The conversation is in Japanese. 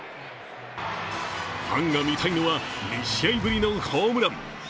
ファンが見たいのは、２試合ぶりのホームラン。